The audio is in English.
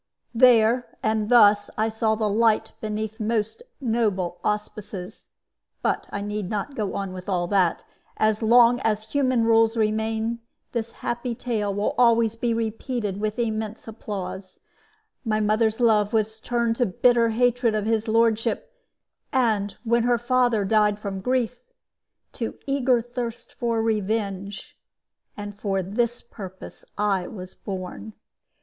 "There and thus I saw the light beneath most noble auspices. But I need not go on with all that. As long as human rules remain, this happy tale will always be repeated with immense applause. My mother's love was turned to bitter hatred of his lordship, and, when her father died from grief, to eager thirst for vengeance. And for this purpose I was born.